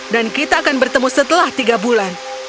dan kita akan bertemu setelah tiga bulan